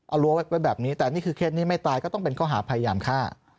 เอารั้วไว้แบบนี้แต่นี่คือเคสนี้ไม่ตายก็ต้องเป็นข้อหาพยายามฆ่า